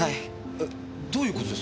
えどういう事です？